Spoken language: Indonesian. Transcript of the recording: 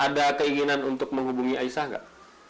ada keinginan untuk menghubungi aisah nggak